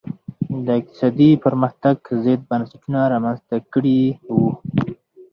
د اقتصادي پرمختګ ضد بنسټونه رامنځته کړي وو.